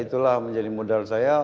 itulah menjadi modal saya